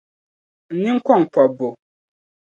n nini kɔŋ pɔbbu.